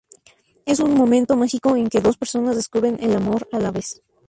Es un momento mágico en que dos personas descubren el amor a la vez.